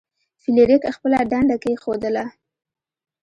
فلیریک خپله ډنډه کیښودله.